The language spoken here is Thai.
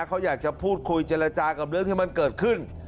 เขาอยากจะพูดคุยเจรจากับเรื่องที่มันเกิดขึ้น